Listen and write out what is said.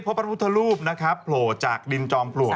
ประพุทธธรูปโผลดจากลิ่นจองปลวก